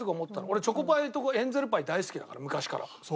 俺チョコパイとエンゼルパイ大好きだから昔から。